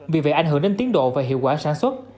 vì vậy ảnh hưởng đến tiến độ và hiệu quả sản xuất